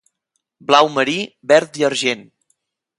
Blau marí, verd i argent.